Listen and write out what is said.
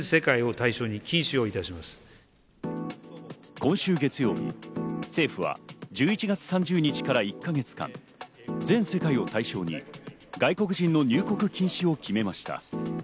今週月曜日、政府は１１月３０日から１か月間、全世界を対象に外国人の入国禁止を決めました。